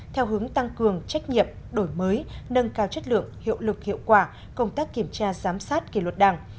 theo hướng tăng cường trách nhiệm đổi mới nâng cao chất lượng hiệu lực hiệu quả công tác kiểm tra giám sát kỳ luật đảng